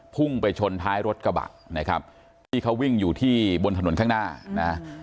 พุ่งไปชนท้ายรถกระบะนะครับที่เขาวิ่งอยู่ที่บนถนนข้างหน้านะฮะ